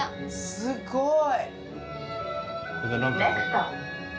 すごい！